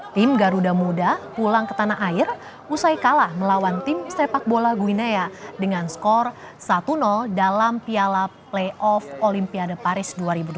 tim garuda muda pulang ke tanah air usai kalah melawan tim sepak bola guinea dengan skor satu dalam piala playoff olimpiade paris dua ribu dua puluh